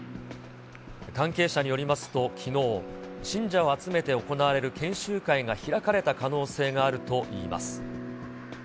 関係者によりますと、きのう、信者を集めて行われる研修会が開かれた可能性があるといいます。